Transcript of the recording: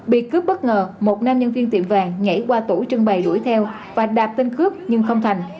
bị cướp bất ngờ một nam nhân viên tiệm vàng nhảy qua tủ trưng bày đuổi theo và đạp tên cướp nhưng không thành